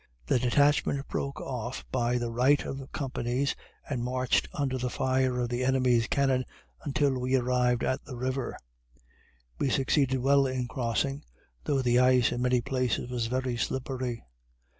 The detachment broke off by the right of companies and marched under the fire of the enemy's cannon until we arrived on the river. We succeeded well in crossing, though the ice in many places was very slippery.